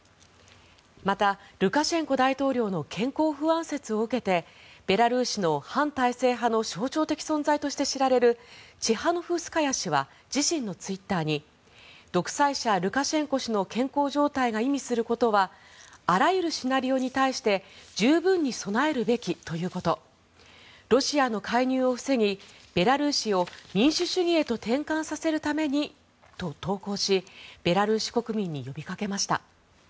また、ルカシェンコ大統領の健康不安説を受けてベラルーシの反体制派の象徴的な存在として知られるチハノフスカヤ氏は自身のツイッターに独裁者ルカシェンコ氏の健康状態が意味することはあらゆるシナリオに対して十分に備えるべきということロシアの介入を防ぎベラルーシを民主主義へと転換させるためにと投稿しベラルーシ国民に呼びかけました。